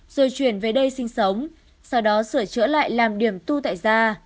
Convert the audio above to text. rồi chuyển về đây sinh sống sau đó sửa chữa lại làm điểm tu tại ra